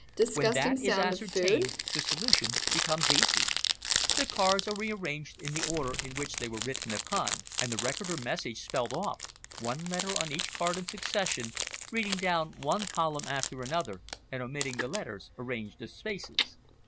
When that is ascertained the solution becomes easy. The cards are rearranged in the order in which they were written upon, and the record or message spelt off, one letter on each card in succession, reading down one column after another and omitting the letter arranged as spaces."